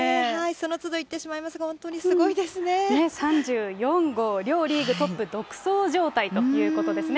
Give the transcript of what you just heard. その都度言ってしまいますが、本当にすごいですね。ね、３４号、両リーグトップ、独走状態ということですね。